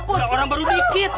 enak aja ampun